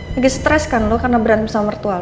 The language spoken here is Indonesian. lagi stres kan lo karena berani bersama mertua lo